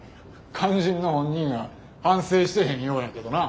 肝心の本人は反省してへんようやけどな。